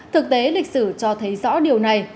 thực tế lịch sử cho thấy rõ điều này